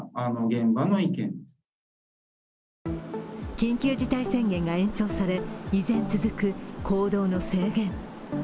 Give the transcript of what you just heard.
緊急事態宣言が延長され、依然続く行動の制限。